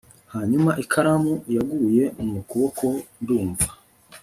hanyuma ikaramu yaguye mu kuboko ndumva